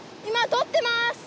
今採ってます。